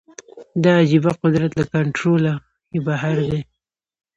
دا عجیبه قدرت له کنټروله یې بهر دی